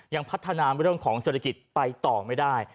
ยังพัฒนาเรื่องของเศรษฐกิจไปต่อไม่ได้